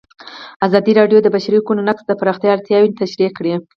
ازادي راډیو د د بشري حقونو نقض د پراختیا اړتیاوې تشریح کړي.